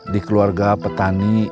di keluarga petani